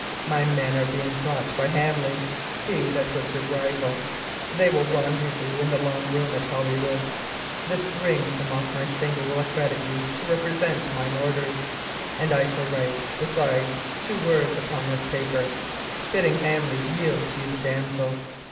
My men are being brought by Hamley he that was your rival; they will rendezvous in the long holm at Holywood; this ring from off my finger will accredit you to represent mine orders; and I shall write, besides, two words upon this paper, bidding Hamley yield to you the damsel.